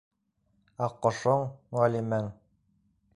Аҡҡошоң, Ғәлимәң.